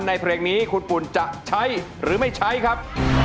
เพลงนี้คุณปุ่นจะใช้หรือไม่ใช้ครับ